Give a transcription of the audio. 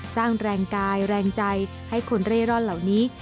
สร้างแรงกายแรงใจให้คนเร่ร่อนเหล่านี้